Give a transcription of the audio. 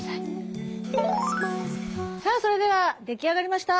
さあそれでは出来上がりました。